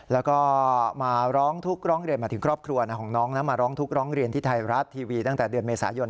แล้วก็มาร้องทุกข์ร้องเรียนมาถึงครอบครัวของน้องนะมาร้องทุกข์ร้องเรียนที่ไทยรัฐทีวีตั้งแต่เดือนเมษายน